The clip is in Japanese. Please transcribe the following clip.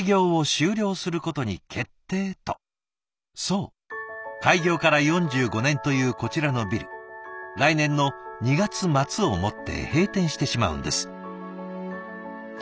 そう開業から４５年というこちらのビル来年の２月末をもって閉店してしまうんです。